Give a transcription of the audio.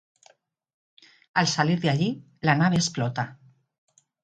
Al salir de allí, la nave explota.